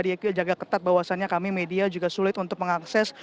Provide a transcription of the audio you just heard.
dia jaga ketat bahwasannya kami media juga sulit untuk mengakses